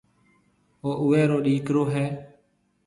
او اُوئي رو ڏِيڪرو هيَ